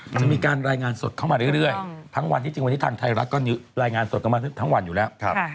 มันจะมีการรายงานสดเข้ามาเรื่อยทั้งวันที่จริงวันนี้ทางไทยรัฐก็รายงานสดกันมาทั้งวันอยู่แล้ว